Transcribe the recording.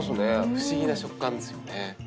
不思議な食感ですよね。